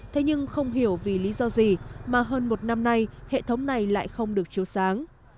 thế nhưng không hiểu vì lý do gì mà hơn một năm nay hệ thống này lại không được chiếu sáng